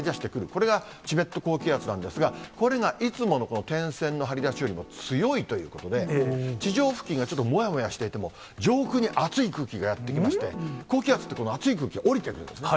これがチベット高気圧なんですが、これがいつもの、この点線の張り出しよりも強いということで、地上付近がちょっともやもやしていても、上空に熱い空気がやって来まして、高気圧って、この熱い空気が下りてくるんですね。